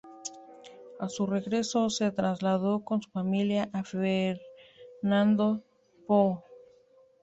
A su regreso, se trasladó con su familia a Fernando Poo.